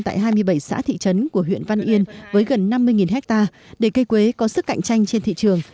cây quế đã được phủ sang tại hai mươi bảy xã thị trấn của huyện văn yên với gần năm mươi hectare để cây quế có sức cạnh tranh trên thị trường